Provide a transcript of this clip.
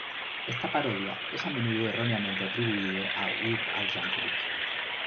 Esta parodia es a menudo erróneamente atribuido a "Weird Al" Yankovic.